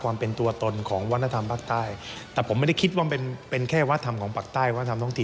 ความเป็นตัวตนของวัฒนธรรมภาคใต้